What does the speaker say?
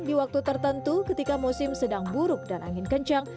di waktu tertentu ketika musim sedang buruk dan angin kencang